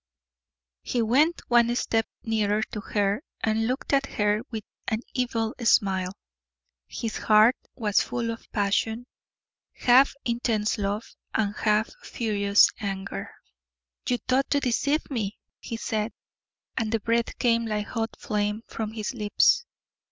He went one step nearer to her and looked at her with an evil smile; his heart was full of passion half intense love, half furious anger. "You thought to deceive me," he said, and the breath came like hot flame from his lips.